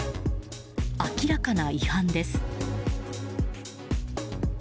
明らかな違反です。